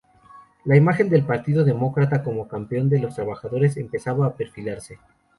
La imagen del Partido Demócrata como campeón de los trabajadores empezaba a perfilarse.